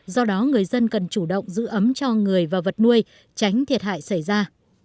do đó người dân cần chủ động giữ ấm cho người và vật nuôi tránh thiệt hại xảy ra